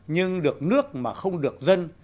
nhưng được nước mà không được dân